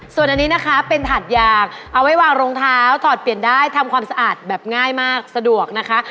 ส่วนอันนี้นะคะเป็นถาดยางเอาไว้วางรองเท้าถอดเปลี่ยนได้ทำความสะอาดแบบง่ายมากสะดวกนะคะ